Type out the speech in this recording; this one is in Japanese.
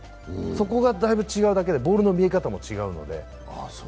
そこがだいぶ違うだけで、ボールの見え方も違うので。